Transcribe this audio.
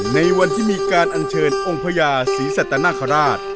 ในวันที่มีการอัญเชิญองค์พญาศรีสัตนคราช